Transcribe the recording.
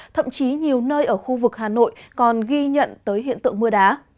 thậm chí nhiều nơi ở khu vực hà nội còn ghi nhận tới hiện tượng mưa đá